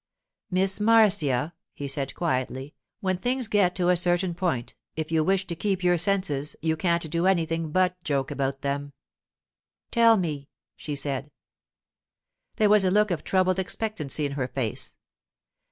'Miss Marcia,' he said quietly, 'when things get to a certain point, if you wish to keep your senses you can't do anything but joke about them.' 'Tell me,' she said. There was a look of troubled expectancy in her face.